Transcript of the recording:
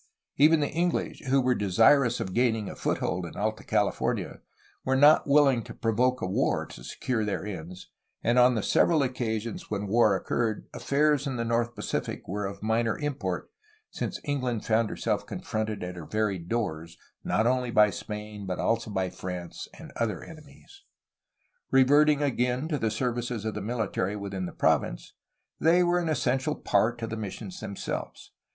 Even the Enghsh, who were desirous of gaining a foothold in Alta California, were not wilhng to provoke a war to secure their ends, and on the several occasions when war occurred affairs in the north Pacific were of minor import, since England found herself confronted at her very doors not only by Spain but also by France and other enemies. Reverting again to the services of the military within the province, they were an essential part of the missions themselves.